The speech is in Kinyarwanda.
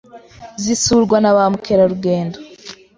zisurwa na ba mukerarugendo